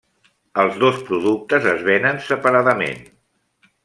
Els dos productes es venen separadament.